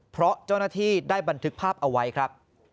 เพราะเจ้าหน้าที่ได้บันทึกภาพเอาไว้ครับ